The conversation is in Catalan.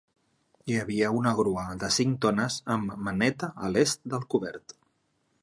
Hi havia una grua de cinc tones amb maneta a l'est del cobert.